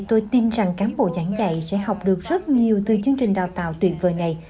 tôi tin rằng cán bộ giảng dạy sẽ học được rất nhiều từ chương trình đào tạo tuyệt vời này